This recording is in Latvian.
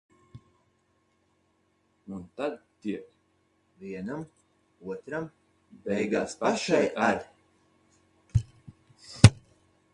Un tad tiek. Vienam, otram, beigās pašai ar.